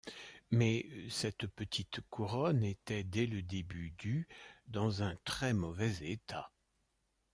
Mais cette petite couronne était dès le début du dans un très mauvais état.